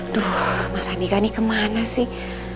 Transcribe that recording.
duh mas andika ini kemana sih